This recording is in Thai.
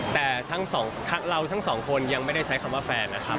แต่ทั้งสองเราทั้งสองคนยังไม่ได้ใช้คำว่าแฟนนะครับ